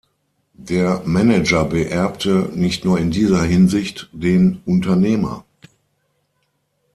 Der Manager beerbte, nicht nur in dieser Hinsicht, den Unternehmer.